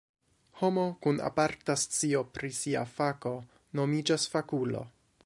Homo kun aparta scio pri sia fako nomiĝas fakulo.